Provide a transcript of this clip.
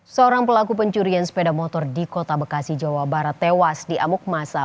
seorang pelaku pencurian sepeda motor di kota bekasi jawa barat tewas di amuk masa